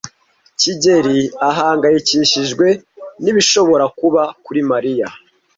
kigeli ahangayikishijwe nibishobora kuba kuri Mariya.